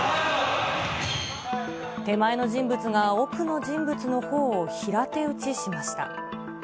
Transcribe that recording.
手前の人物が、奥の人物のほおを平手打ちしました。